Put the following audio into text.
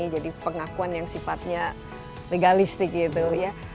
pengakuan yang sifatnya legalistik gitu ya